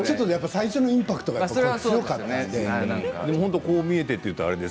最初のインパクトが強かったので。